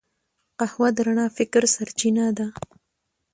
قهوه د رڼا فکر سرچینه ده